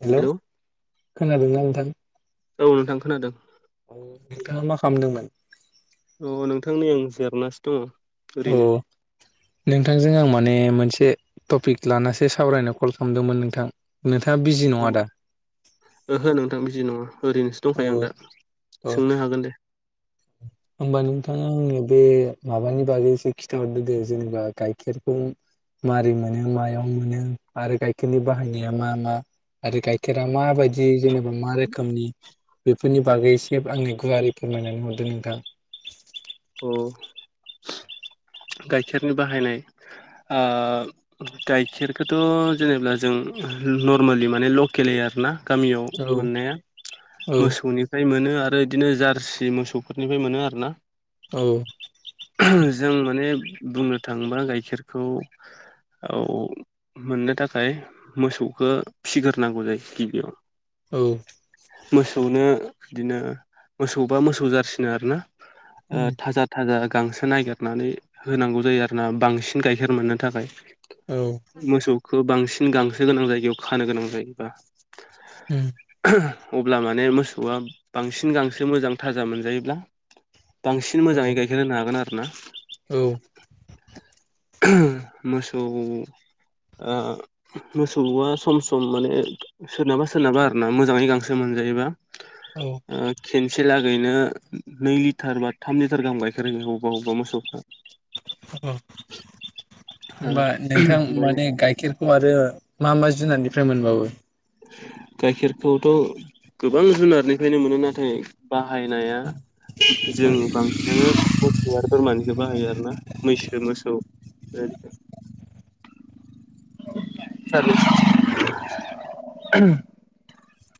Hello खोनादोंना नोंथां औ नोंथां खोनादों अ नोंथाङा मा खालामदोंमोन औ नोंथां नै आं जिरनासो दङ अ ओरैनो नोंथांजों आं माने मोनसे टपिक लानासो सावरायनो कल खालामदोंमोन नोंथां नोंथाङा बिजि नङा दा ओहो नोंथां बिजि नङा ओरैनोसो अ दंखायो आं दा अ सोंनो हागोन दे होमबा नोंथाङा आंनो बे माबानि बागैसो खिथाहरदो दे जेनेबा गाइखेरखौ मारै मोनो मायाव मोनो आरो गाइखेरनि बाहायनाया मा मा आरो गाइखेरा मा बायदि जेनेबा मा रोखोमनि बेफोरनि बागै एसे आंनो गुवारै फोरमायनानै हरदो नोंथां अ गाइखेरनि बाहायनाय ओ गाइखेरखौथ' जेनेबा जों नरमेलि माने लकेलै आरोना गामियाव औ मोननाया औ मोसौनि फ्राय मोनो आरो बिदिनो जारसि मोसौफोरनिफ्राय मोनो आरोना औ जों माने बुंनो थाङोबा गाइखेरखौ औ मोननो थाखाय मोसौखौ फिसिग्रोनांगौ जायो गिबियाव औ मोसौनो बिदिनो मोसौबा मोसौ जारसिनो आरोना थाजा थाजा गांसो नागिरनानै होनांगौ जायो आरो ना बांसिन गाइखेर मोननो थाखाय औ मोसौखौ बांसिन गांसो गोनां जायगायाव खानो गोनां जायोबा उम अब्ला माने मोसौआ बांसिन गांसो मोजां थाजा मोनजायोब्ला बांसिन मोजाङै गाइखेर होनो हागोन आरोना औ मोसौ मोसौआ सम सम माने सोरनाबा सोरनाबा आरोना मोजाङै गांसो मोनजायोबा औ खेनसे लागैनो नै लिटार बा थाम लिटार गाहाम गायखेर होयो अबेबा अबेबा मोसौफ्रा होनबा ओमफ्राय नोंथां माने गाइखेर औ आरो मा मा जुनारनिफ्राय मोनबावो गाइखेरखौथ' गोबां जुनारनिफ्रायनो मोनो नाथाय बाहायनाया जों बांसिनानो मोसौ आरो बोरमानिखौ बाहायो आरोना मैसो मोसौ द सार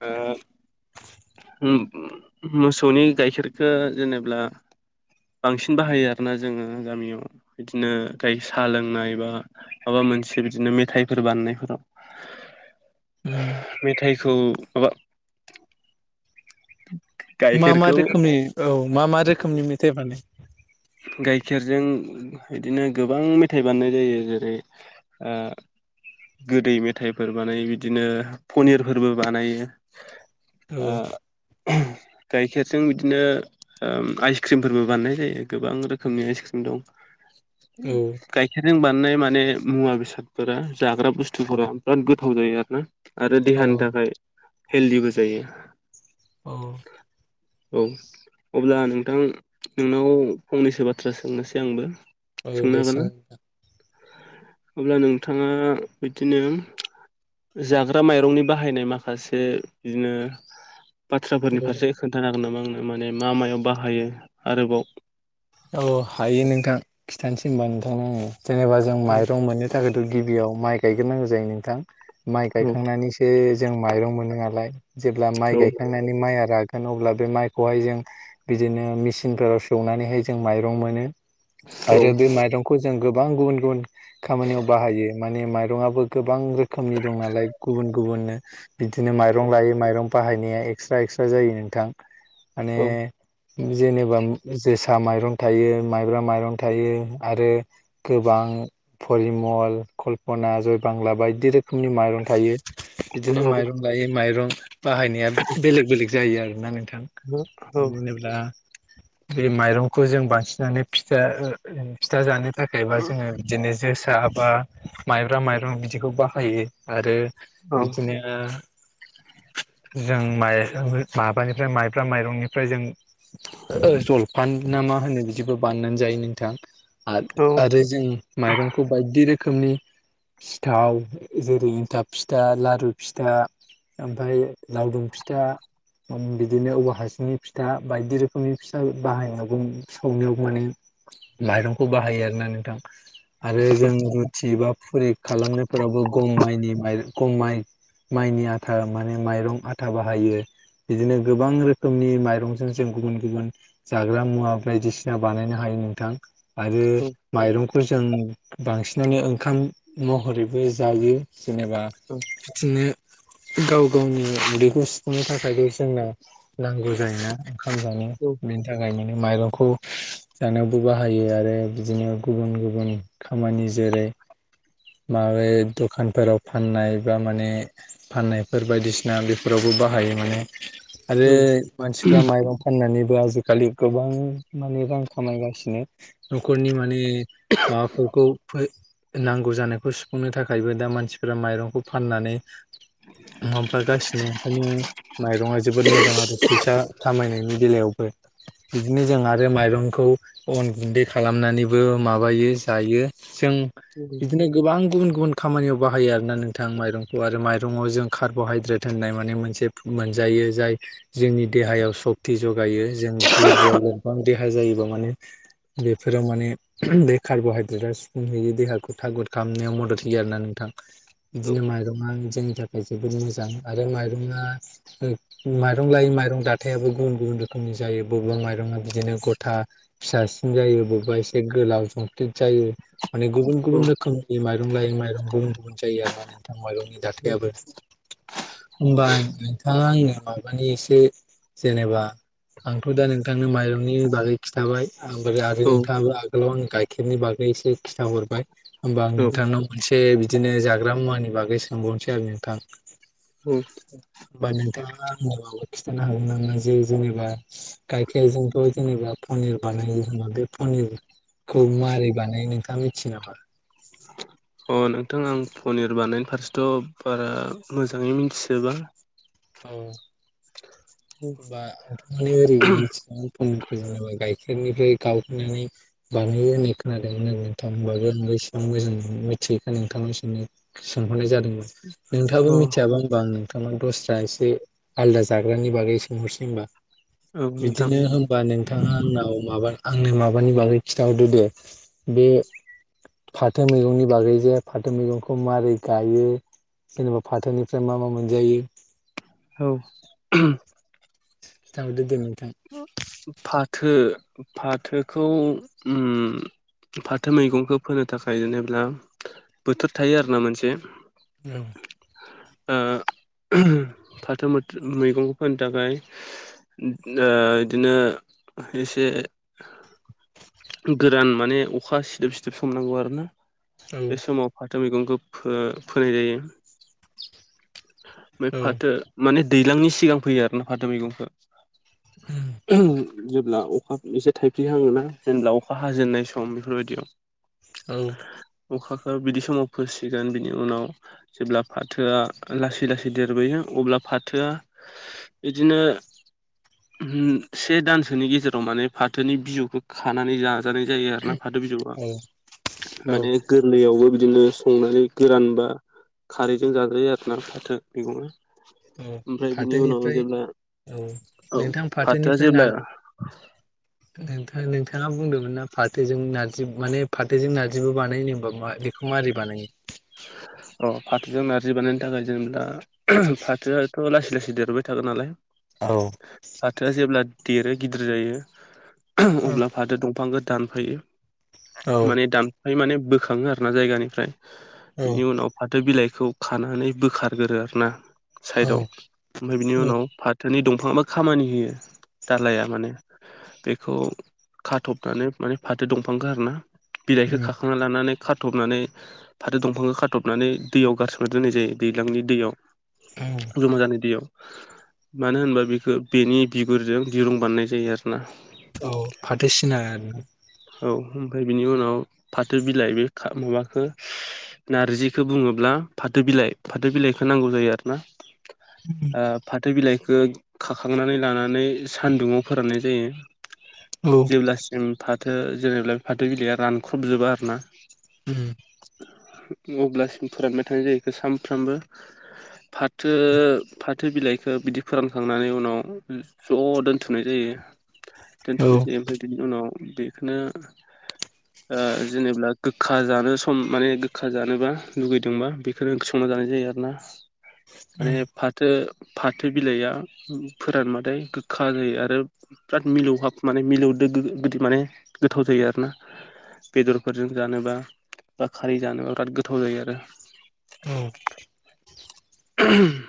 ओ मोसौनि गाइखेरखो जेनेब्ला बांसिन बाहायो आरोना जोङो गामियाव बिदिनो जाय साहा लोंनाय बा माबा मोनसे बिदिनो मेथाइफोर बानायनायफोराव उम मेथाइखौ माबा मा मा गाइखेरखौ रोखोमनि औ मा मा रोखोमनि मेथाइ मानो गाइखेरजों बिदिनो गोबां मेथाइ बानायनाय जायो जेरै ओ गोदै मेथाइफोर बानायो बिदिनो पनिरफोरबो बानायो औ आ गाइखेरजों बिदिनो आइसक्रिमफोरबो बानायनाय जायो गोबां रोखोमनि आइसक्रिम दं औ गाइखेरजों बानायनाय माने मुवा बेसादफोरा जाग्रा बुस्थुफोरा बिराद गोथाव जायो आरो ना आरो औ देहानि थाखाय हेलदिबो जायो औ औ अब्ला नोंथां नोंनाव फंनैसो बाथ्रा सोंनोसै आंबो औ सोंनो दे हागोन सों ना अब्ला नोंथाङा बिदिनो जाग्रा माइरंनि बाहायनाय माखासे बिदिनो बाथ्राफोरनि औ फारसे खोन्थानो हागोन नामा आंनो माने मा मायाव बाहायो आरोबाव औ हायो नोंथां खिथानोसै होनबा नोंथां ओ जेनेबा जों औ माइरं मोनो थाखायथ' गिबियाव माइ गायग्रोनांगौ जायो नोंथां माइ औ गायखांनानैसो जों माइरं मोनो नालाय जेब्ला माइ गायखांनानै बे माइआ रागोन अब्ला बे माइखौहाइ जों बिदिनो मिसिनफोराव सौनानै हो जों माइरं मोनो औ आरो बे माइरंखौ जों गोबां गुबुन गुबुन खामानियाव बाहायो माने माइरंआबो गोबां रोखोमनि दं नालाय गुबुन गुबुननो बिदिनो औ माइरं लायो माइरं बाहायनाया एक्सट्रा एक्सट्रा जायो नोंथां, माने औ जेनेबा जोसा माइरं थायो माइब्रा माइरं थायो आरो गोबां परिमल कल्पना जयबांला बायदि रोखोमनि माइरं थायो अ बिदिनो माइरं लायै माइरं बाहायनाया बेलेग बेलेग जायो आरो ना नोंथां औ [unintelligible] बे माइरंखौ जों बासिनानै फिथा जानो थाखायबा जोङो बिदिनो जोसा, बा माइब्रा माइरं बिदिखौ बाहायो आरो बिदिनो जों माइ माबानिफ्राय माइब्रा माइरंनिफ्राय जों जल फान ना मा होनो बिदिबो बाननानै जायो नोंथां, आरो आरो जों माइरंखौ बायदि रोखोमनि सिथाव। जेरै- एनथाब फिथा, लारु फिथा ओमफ्राय लावदुम फिथा, बिदिनो औवा हासुंनि फिथा बायदि रोखोमनि फिथा बाहायनायाव सावनायाव माने माइरंखौ बाहायो आरोना नोंथां। आरो जों रुथि, बा फुरि खालामनायफोरावबो गम माइनि गम माइ माइनि आथा माने माइरं आथा बाहायो। बिदिनो गोबां रोखोमनि माइरंजों जों गुबुन गुबुन जाग्रा मुवा बायदिसिना बानायनो हायो नोंथां आरो माइरं फोर जों बांसिनानो ओंखाम महरैबो जायो। जेनेबा बिदिनो गाव गावनि उन्दैखौ सुफुंनो थाखायबो जोंना नांगौ जायोना ओंखाम जानो। बेनि थाखाय माने माइरंखौ जानायावबो बाहायो आरो बिदिनो गुबुन गुबुन खामानि जेरै- माबा दखानफोराव फाननाय, बा माने फाननायफोर बायदिसिना बेफोरावबो बाहायो माने आरो मानसिफ्रा माइरं फाननानैबो आजिखालि गोबां माने रां खामायगासिनो। न'खरनि माने माबा खौ नांगौ जानायखौ सुफुंनो थाखायबो दा मानसिफोरा माइरंखौ फाननानै माबागासिनो ओंखायनो माइरंआ जोबोद मोजां आरो फैसा खामायनायनि बेलायावबो। बिदिनो जों आरो माइरंखौ अनगुन्दै खालामनानैबो माबायो जायो। जों बिदिनो गोबां गुबुन गुबुन खामानियाव बाहायो आरोना नोंथां। माइरंखौ आरो माइरंआव जों कार्ब'हाइद्रेट होननाय माने मोनसे मोनजायो। जाय जोंनि देहायाव सक्ति जगायो। जों दुरबल लोरबां देहा जायोबा माने बेफोरो माने बे कार्बहाइद्रेटआ सुफुंहैयो देहाखौ थागद खालामनायाव मदद होयो आरोना नोंथां। बिदिनो माइरङा जोंनि थाखाय जोबोद मोजां आरो माइरङा माइरं लायो माइरं दाथायाबो गुबुन गुबुन रोखोम नि जायो बबं माइरङा बिदिनो गथा फिसासिन जायो बबेबा एसे गोलाव जंब्लिद जायो, माने गुबुन गुबुन रोखोम बे माइरं लायै माइरं गुबुन गुबुन जायो आरो ना नोंथां माइरंनि दाथायाबो होमबा नोंथाङा आंनो माबानि एसे जेनेबा आंथ' दा नोंथांनो माइरंनि बागै खिन्थाबाय। आंबो आरो नोंथाङाबो हेल' आं गाइखेरनि बागै एसे खिथाहरबाय होमबा आं नोंथांनाव मोनसे बिदिनो जाग्रा मुवानि बागै सोंबावनोसै आरो नोंथां। [unintelligible] होमबा नोंथाङा [unintelligible] खिथानो हागोन नामा जे जेनेबा गायखेरजोंथ' जेनेबा पनिर बानायो बे पनिर खौ मारै बानायो नोंथाङा मिथियो नामा? अ नोंथां आं पनिर बानायनायनि फारसेथ' बारा मोजाङै मिथिजोबा। औ। [inaudible] बा [unintelligible] जेनेबा गाइखेरनिफ्राय गावहोनानै बानायो होननाय खोनादोंमोन आं नोंथां होनबाबो इसिबां मोजां मिथियैखाय नोंथांनाव सोंनो सोंहरनाय जादोंमोन। नोंथाङाबो अ मिथियाबा होनबा आं नोंथाङा दस्रा एसे आलदा जाग्रानि बागै [unintelligible] औ नोंथां बिदिनो बा नोंथाङा आंनाव माबा आंनो माबानि बागै खिन्थाहरदो दे बे फाथो मैगंनि बागै जे फाथो मैगंखौ मारै गायो जेनेबा फाथोनिफ्राय मा मा मोनजायो औ खिथाहरदो दे नोंथां। फाथो फाथोखौ उम फाथो मैगंखौ फोनो थाखाय जेनेब्ला बोथोर थायो आरोना मोनसे। [unintelligible] ओ फाथो मैगंखौ फोनो थाखाय ओ इदिनो एसे गोरान माने अखा सिदोब सिदोब सम नांगौ आरो ना। बे समाव फाथो मैगंखौ फो फोनाय जायो। ओमफ्राय औ फाथो माने दैज्लांनि सिगां फैयो आरोना फाथो मैगंखो। जेब्ला अखा एसे थाइफ्रिहाङोना जेनेब्ला अखा हाजेननाय सम बेफोरबायदियाव औ। अखाखौ बिदि समाव फोसिगोन बिनि उनाव जेब्ला फाथोआ लासै लासै देरबोयो अब्ला फाथोआ बिदिनो से दानसोनि गेजेराव माने फाथोनि बिजौखौ खानानै जा जानाय जायो आरो ना फाथो बिजौआ औ औ माने गोरलैयावबो बिदिनो संनानै गोरानबा खारैजों जाजायो आरोना फाथो मैगङा। औ ओमफ्राय बिनि उनाव फाथोनिफ्राय जेब्ला औ औ नोंथां फाथोआ फाथोनिफ्राय ना जेब्ला नोंथां नोंथाङा बुंदोंमोन ना फाथोजों नारजि माने फाथोजों नारजिबो बानायो होनबा मा मारै बानायो? अ फाथोजों नारजि बानायनो थाखाय जों दा फाथोआ थ' लासै लासै देरबोबाय थागोन नालाय। औ। फाथोआ जेब्ला देरो गिदिर जायो औ अब्ला फाथो दंफांखौ दानफायो। औ माने दानफाय माने बोखाङो आरो ना जायगानिफ्राय बिनि उनाव फाथो बिलाइखौ खानानै बोखारगोरो आरोना औ साइदआव ओमफ्राय बिनि उनाव फा थोनि दंफा बा खामानि होयो दालाया माने बेखौ खाथबनानै माने फाथो दंफांखो आरोना। बिलाइखौ उम खाखांना लानानै खाथबनानै फाथो दंफां खाथबनानै दैयाव गारसोमनानै दोननाय जायो दैज्लांनि दैयाव। [unintelligible] [unintelligible] दैयाव। मानो होनबा बेखौ बेनि बिगुरजों दिरुं बानायनाय जायो आरो ना। औ फाथो सिना आरोना। औ ओमफ्राय बिनि उनाव फाथो बिलाइ बे माबाखो नारजिखौ बुङोब्ला फाथो बिलाइ फाथो बिलाइखौ नांगौ जायो आरो ना उम ओ फाथो बिलाइखौ खाखांनानै लानानै सानदुङाव फोराननाय जायो। औ। जेब्लासिम फाथो जेनेब्ला फाथो बिलाइया रानख्रबजोबा आरोना। उम अब्लासिम फोरानबाय थानाय जाहैखो सानफ्रामबो फाथो फाथो बिलाइखौ बिदि फोरानखांनानै उनाव ज' दोनथुमनाय जायो औ दोनथ'नाय जायो ओमफ्राय बिनि उनाव बेखौनो जेनेब्ला गोखा जानो सम माने गोखा जानोबा लुगैदोंबा बेखौनो ओंख्रि संना जानाय जायो आरो ना माने फाथो फाथो बिलाइआ फोरानबाथाय गोखा जायो आरो बिराद मिलौहाब माने मिलौदो माने गोथाव जायो आरो ना बेदरफोरजों जानोबा बा खारै जानोबा बिराद गोथाव जायो आरो [inaudible] [inaudible]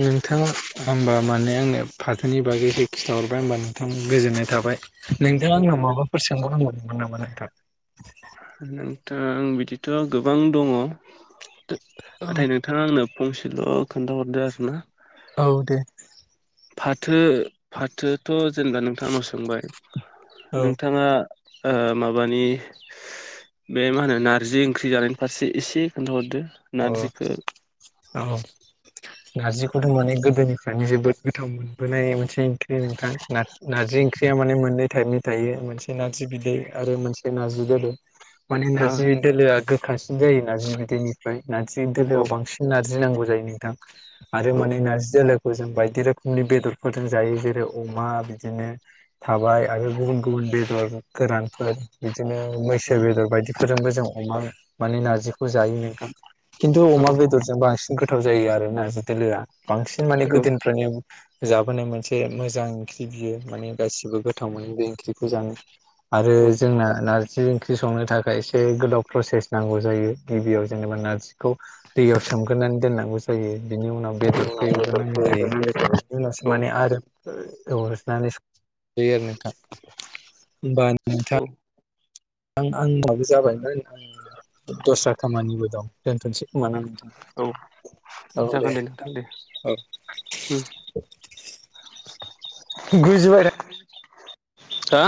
नोंथाङा होमबा माने आंनो फाथोनि बागैहाय खिथाहरबाय होमबा नोंथां गोजोननाय थाबाय नोंथां आंनाव माबाफोर सोंबावनांगौ दंमोन नामा नोंथां नोंथां आं बिदिथ' गोबां दङ औ नाथाय नोंथां नोंथाङा आंनो फंसेल' खोन्थााहरदो आरोना औ दे फाथो फाथोथ' जेनेबा नोंथांनाव सोंबाय औ नोंथाङा माबानि बे मा होनो नारजि ओंख्रि जानायनि फारसे एसे खिथाहरदो अ औ नारजिखौथ माने गोदोनिफ्रायनो जोबोद गोथाव मोनबोनाय मोनसे नारजि ओंख्रिआ माने मोननै थाइपनि थायो मोनसे नारजि बिदै आरो मोनसे नारजि गोदैमान औ नारजि दोलोआ गोखासिन जायो नारजि बिदैनिफ्राय नारजि औ दोलोआव बांसिन नारजि गिनांगौ जायो नोंथां आरो माने नारजि दोलो जों बायदि रोखोमनि बेदरफोरजों जायो जेरै अमा बिदिनो थाबाय आरो गुबुन गुबुन बेदर गोरानफोर बिदिनो मैसो बेदर बायदिफोरजोंबो जों अमा माने नार्जिखौ जायो नोंथां खिन्थु अमा बेदरजों बांसिन गोथाव जायो आरोना नारजि दोलोआ बांसिन माने गोदोनिफ्रायनो जाबोनाय मोनसे मोजां ओंख्रि बियो माने गासिबो गोथाव मोनो बे ओंख्रिखौ जानो [inaudible] [inaudible] आरो जोंना नारजि ओंख्रि संनो थाखाय एसे गोदाव प्रसेस नांगौ जायो गिबियाव जेनेबा नारजिखौ दैयाव सोमग्रोनानै दोननांगौ ज जायो बिनि उनाव बेदरखौ एवग्रोनांगौ जायो उनावसो औ माने आरो हरनानै बे आरो नोंथाङा होनबा नोंथाङा औ नोंथां सम‌आबो जाबायमोन आं दस्रा खामानिबो दं दोनथ'सै खोमा ना औ नोंथां औ दे औ उम गुजुबाय हो